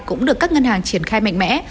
cũng được các ngân hàng triển khai mạnh mẽ